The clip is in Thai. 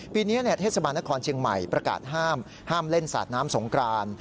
ปีนี้เทศบาลนครเชียงใหม่ประกาศห้ามห้ามเล่นสาดน้ำสงกราน